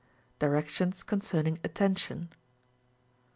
Directions concerning Attention.